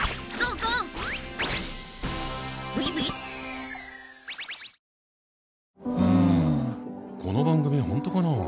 この番組本当かな？